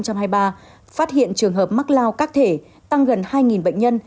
phát hiện trường hợp mắc lao các thể tăng gần hai bệnh nhân